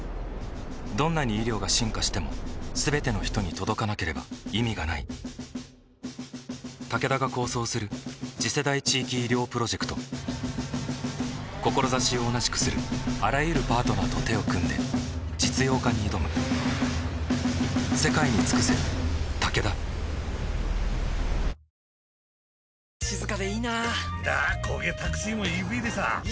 どんなに医療が進化しても全ての人に届かなければ意味がないタケダが構想する次世代地域医療プロジェクト志を同じくするあらゆるパートナーと手を組んで実用化に挑む続いて、宮里さんに神田さんいきましょうか。